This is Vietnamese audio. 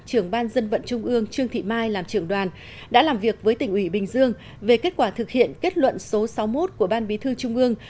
trưởng ban dân vận trung ương trương thị mai làm trưởng đoàn đã làm việc với tỉnh ủy bình dương về kết quả thực hiện kết luận số sáu mươi một của ban bí thư trung ương